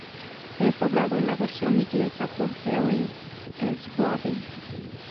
Es doblado en la versión inglesa por Harry S. Robins.